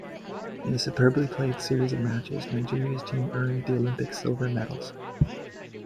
In a superbly played series of matches, Nigeria's team earned the Olympic Silver Medals.